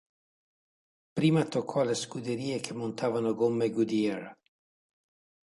Prima toccò alle scuderie che montavano gomme Goodyear.